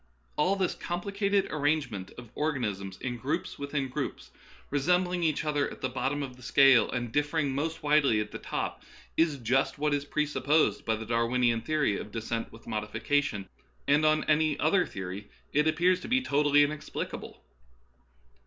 All this complicated arrangement of or ganisms in groups within groups, resembling each other at the bottom of the scale, and differing 24 Darwinism and Other Essays. most vA^idely at the top, is just what is presupposed by the Darwinian theory of " descent with mod ification," and on any other theory it appears to be totally inexplicable.